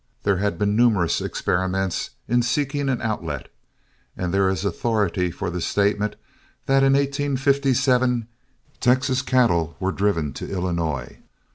There had been numerous experiments in seeking an outlet, and there is authority for the statement that in 1857 Texas cattle were driven to Illinois.